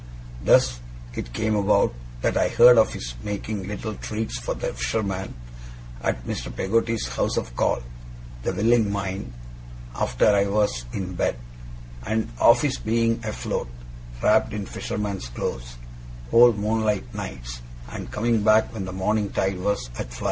Thus it came about, that I heard of his making little treats for the fishermen at Mr. Peggotty's house of call, 'The Willing Mind', after I was in bed, and of his being afloat, wrapped in fishermen's clothes, whole moonlight nights, and coming back when the morning tide was at flood.